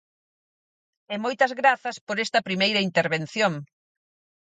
E moitas grazas por esta primeira intervención.